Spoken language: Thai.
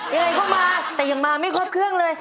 ยังไงก็มาแต่ยังมาไม่ครบเครื่องเลย